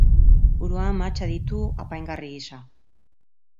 Buruan mahatsak ditu apaingarri gisa.